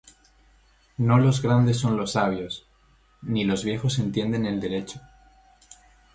No los grandes son los sabios, Ni los viejos entienden el derecho.